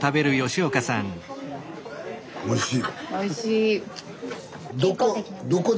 おいしい。